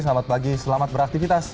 selamat pagi selamat beraktifitas